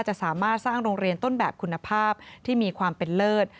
จะสามารถสร้างโรงเรียนต้นแบบคุณภาพที่มีความเป็นเลิศ